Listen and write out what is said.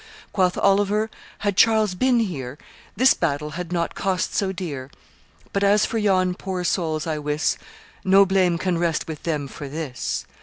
Quoth Oliver, 'Had Charles been here, This battle had not cost so dear; But as for yon poor souls, I wis, No blame can rest with them for this.